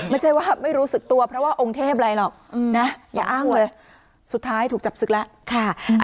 ไม่ใช่ว่าไม่รู้สึกตัวเพราะว่าองค์เทพอะไรหรอกนะอย่าอ้างเลยสุดท้ายถูกจับศึกแล้วค่ะ